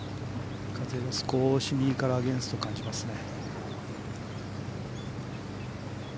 風も少し右からアゲンストを感じますね。